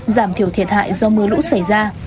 giảm thiểu thiệt hại do mưa lũ xảy ra